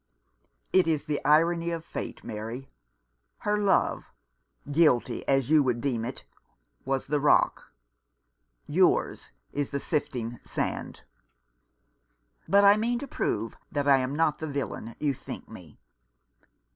It is the irony of fate, Mary. 167 Rough Justice. Her love — guilty as you would deem it — was the rock. Yours is the shifting sand. "But I mean to prove that I am not the villain you think me.